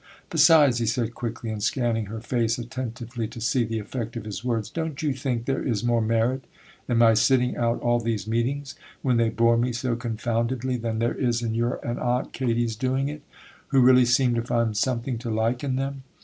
Besides,' he said quickly, and scanning her face attentively to see the effect of his words, 'don't you think there is more merit in my sitting out all these meetings, when they bore me so confoundedly, than there is in your and Aunt Katy's doing it, who really seem to find something to like in them?